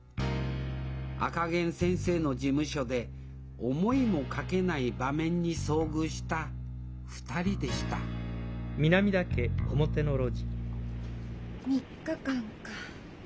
赤ゲン先生の事務所で思いもかけない場面に遭遇した２人でした３日間か。